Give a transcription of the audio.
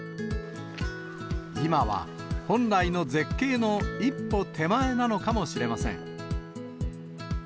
今は本来の絶景の一歩手前なのかもしれません。